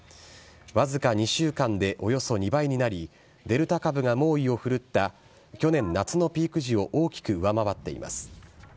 僅か２週間でおよそ２倍になり、デルタ株が猛威を振るった去年夏のピーク時を大きく上回っています。